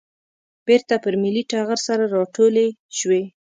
بېرته پر ملي ټغر سره راټولې شوې.